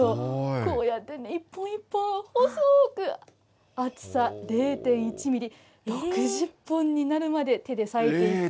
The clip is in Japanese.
こうやって一本一本細く、厚さ０．１ミリ、６０本になるまで手で割いていくんです。